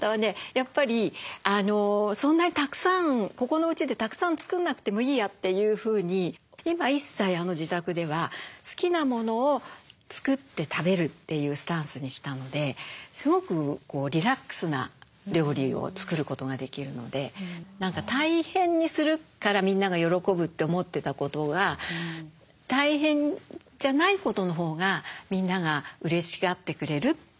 やっぱりそんなにたくさんここのうちでたくさん作んなくてもいいやっていうふうに今一切自宅では好きなものを作って食べるというスタンスにしたのですごくリラックスな料理を作ることができるので何か大変にするからみんなが喜ぶって思ってたことが「やっていいわよ」みたいなそういう感じはあります。